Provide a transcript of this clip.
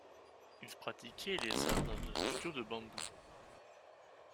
Ils pratiquaient les arts dans un studio de bambou.